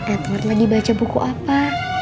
edward lagi baca buku apa